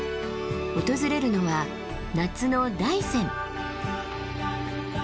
訪れるのは夏の大山。